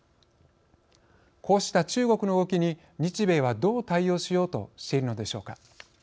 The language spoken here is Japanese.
こうした中国の動きに日米はどう対応しようとしているのでしょうか。